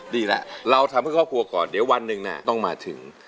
ดีแล้วเราทำให้ครอบครัวก่อนเดี๋ยววันหนึ่งต้องมาถึง